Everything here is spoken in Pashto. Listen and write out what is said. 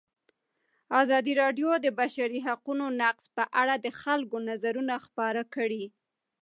ازادي راډیو د د بشري حقونو نقض په اړه د خلکو نظرونه خپاره کړي.